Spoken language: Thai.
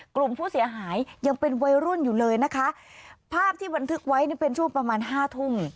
กลุ่มผู้เสียหายยังเป็นวัยรุ่นอยู่เลยนะคะภาพที่บันทึกไว้นี่เป็นช่วงประมาณห้าทุ่ม